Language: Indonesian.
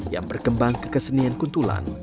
yang berkembang ke kesenian kuntulan